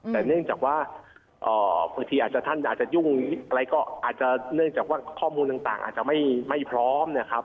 แต่เนื่องจากว่าบางทีอาจจะท่านอาจจะยุ่งอะไรก็อาจจะเนื่องจากว่าข้อมูลต่างอาจจะไม่พร้อมนะครับ